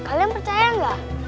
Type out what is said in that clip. kalian percaya gak